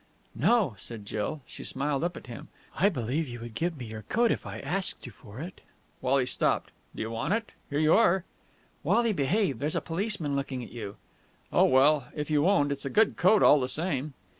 "No!" said Jill. She smiled up at him. "I believe you would give me your coat if I asked you for it!" Wally stopped. "Do you want it? Here you are!" "Wally, behave! There's a policeman looking at you!" "Oh, well, if you won't! It's a good coat, all the same."